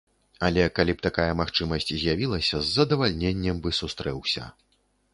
Але калі б такая магчымасць з'явілася, з задавальненнем бы сустрэўся.